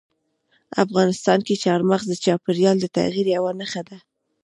افغانستان کې چار مغز د چاپېریال د تغیر یوه نښه ده.